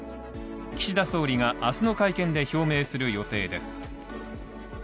岸田総理が、明日の会見で表明する予定です。